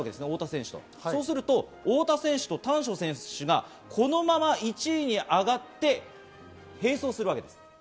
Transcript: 太田選手と太田選手と丹所選手がこのまま１位に上がって並走するわけです。